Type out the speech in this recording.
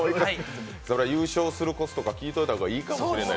優勝するコツとか聞いておいた方がいいかもしれない。